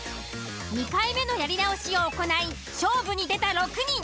２回目のやり直しを行い勝負に出た６人。